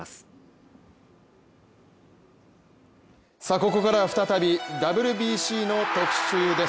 ここからは再びＷＢＣの特集です。